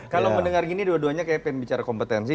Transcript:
kalau mendengar gini dua duanya kayak pengen bicara kompetensi